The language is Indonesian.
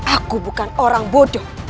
aku bukan orang bodoh